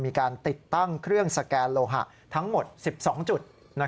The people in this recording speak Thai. มีการติดตั้งเครื่องสแกนโลหะทั้งหมด๑๒จุด